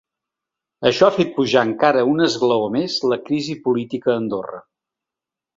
Això ha fet pujar encara un esglaó més la crisi política a Andorra.